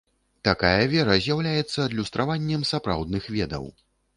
Такая вера з'яўляецца адлюстраваннем сапраўдных ведаў.